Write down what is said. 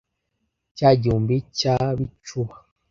cya gihumbi cya bicuba,